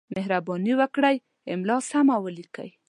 مهرباني وکړئ! املا سمه ولیکئ!